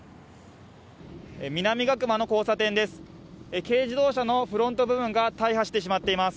南隈の交差点です。